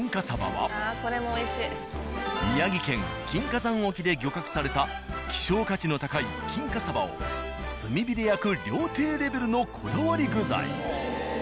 さばは宮城県金華山沖で漁獲された希少価値の高い金華さばを炭火で焼く料亭レベルのこだわり具材。